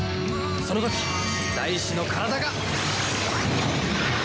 その時大志の体が！